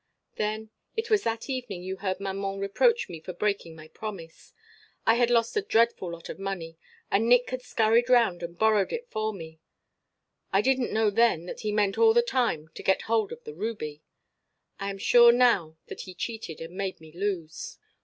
"Then it was that evening you heard maman reproach me for breaking my promise I had lost a dreadful lot of money and Nick had scurried round and borrowed it for me. I didn't know then that he meant all the time to get hold of the ruby I am sure now that he cheated and made me lose.